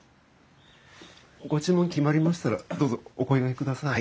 ご注文決まりましたらどうぞお声がけください。